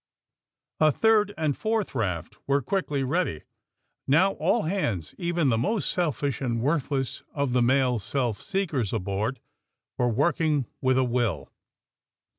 A third and fourth raft were qnickly ready. Now all hands, even the most selfish and worth less of the male self seekers aboard were work ing with a will.